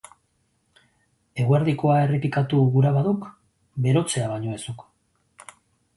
Eguerdikoa errepikatu gura baduk, berotzea baino ez duk.